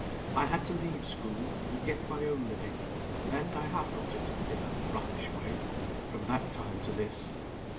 I had to leave school, and get my own living; and I have got it, in a roughish way, from that time to this.